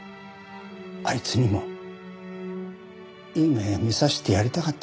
あいつにもいい目を見させてやりたかったんだよ。